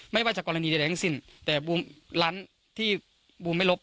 ไม่ว่าจะกรณีใดทั้งสิ้นแต่บูมร้านที่บูมไม่ลบ